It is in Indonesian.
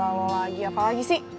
lalu lagi apa lagi sih